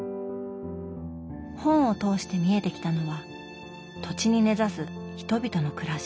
本を通して見えてきたのは土地に根ざす人々の暮らし。